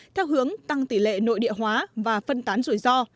theo hướng tăng tỷ lệ nội địa hóa và phân tán rủi ro